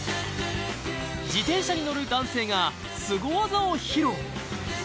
自転車に乗る男性がスゴ技を披露